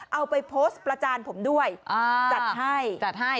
เอาไปโพสต์ประจานผมด้วยจัดให้